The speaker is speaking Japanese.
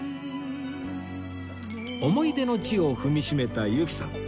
思い出の地を踏みしめた由紀さん